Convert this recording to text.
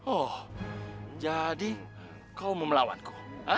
oh jadi kau mau melawanku